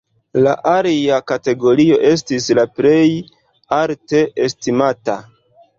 La alia kategorio estis la plej alte estimata.